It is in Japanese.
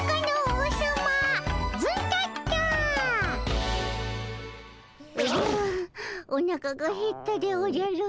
おじゃおなかがへったでおじゃる。